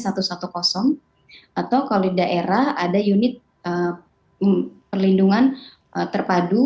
atau kalau di daerah ada unit perlindungan terpadu